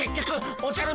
おじゃる丸！